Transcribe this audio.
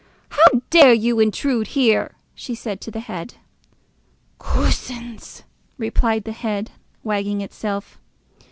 "How dare you intrude here?" she said to the head. "Coosins!" replied the head, wagging itself.